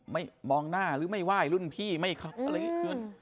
ไม่มองหน้าไม่ว่ายรุ่นพี่ไม่ครบอะไรเกิน